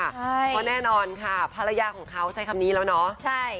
เพราะแน่นอนค่ะภรรยาของเขาใช้คำนี้แล้วเนาะใช่